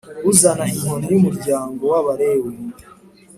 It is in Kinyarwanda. uzana inkoni y’ umuryango w’Abalewi